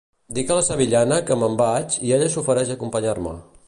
Dic a la sevillana que me'n vaig i ella s'ofereix a acompanyar-me.